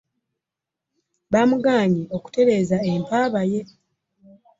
Bamugaanye okutereeza empaaba ye.